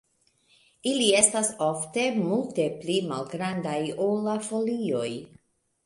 Ili estas ofte multe pli malgrandaj ol la folioj.